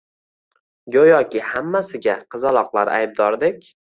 Go`yoki, hammasiga qizaloqlar aybdordek